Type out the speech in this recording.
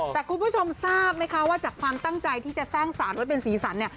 แต่คุณผู้ชมทราบไหมคะว่าจากความตั้งใจที่จะสร้างสารไว้เป็นสีสันเนี่ย